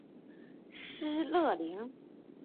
施乐灵。